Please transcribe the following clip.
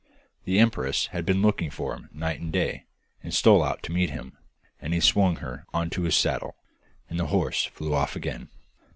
The empress had been looking for him night and day, and stole out to meet him, and he swung her on to his saddle, and the horse flew off again.